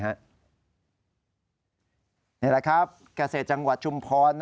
นี่แหละเข้ากเศษจังหวัดชุมพร